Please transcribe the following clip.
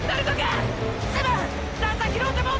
すまん！！